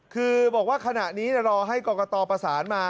คือบอกว่าขณะนี้รอให้กรกตประสานมา